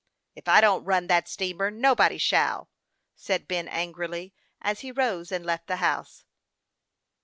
"If I don't run that steamer, nobody shall !" said Ben, angrily, as he rose and left the house.